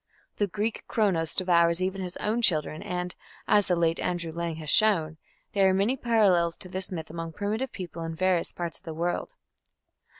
The Greek Cronos devours even his own children, and, as the late Andrew Lang has shown, there are many parallels to this myth among primitive peoples in various parts of the world.